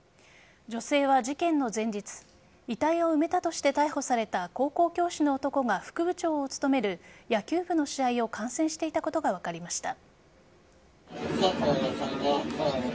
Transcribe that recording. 女性は事件の前日遺体を埋めたとして逮捕された高校教師の男が副部長を務める野球部の試合を観戦していたことが分かりました。